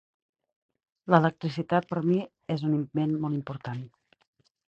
L'electricitat per mi és un invent molt important.